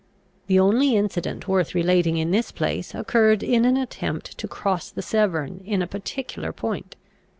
The only incident worth relating in this place occurred in an attempt to cross the Severn in a particular point.